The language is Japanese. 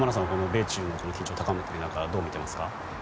米中の緊張の高まりとかどう見ていますか？